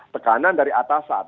tekanan dari atasan